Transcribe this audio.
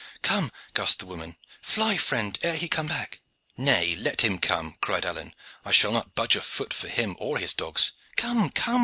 "Come!" gasped the woman. "Fly, friend, ere he come back." "Nay, let him come!" cried Alleyne. "I shall not budge a foot for him or his dogs." "Come, come!"